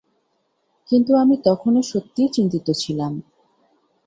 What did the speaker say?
কিন্তু আমি তখনও সত্যিই চিন্তিত ছিলাম।